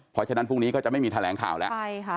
เพราะฉะนั้นพรุ่งนี้ก็จะไม่มีแถลงข่าวแล้ว